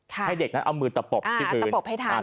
ให้เด็กนั้นเอามือตะปบตะปบให้ทัน